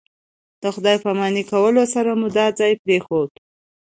د خدای پاماني کولو سره مو دا ځای پرېښود.